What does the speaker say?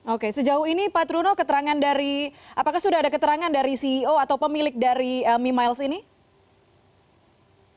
oke sejauh ini pak truno apakah sudah ada keterangan dari ceo atau pemilik dari mi miles ini